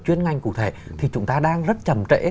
chuyên ngành cụ thể thì chúng ta đang rất chầm trễ